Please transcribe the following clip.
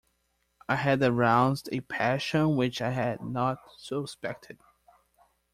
I had aroused a passion which I had not suspected.